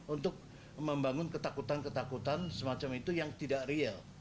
untuk membangun ketakutan ketakutan semacam itu yang tidak real